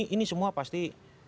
ini semua pasti